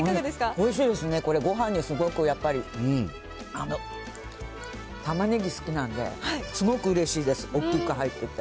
おいしいですね、これ、ごはんにすごくやっぱり、たまねぎ好きなんで、すごくうれしいです、おっきく入ってて。